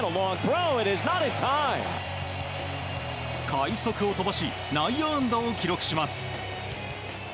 快足を飛ばし内野安打を記録します。